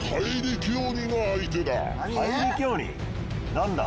何だ？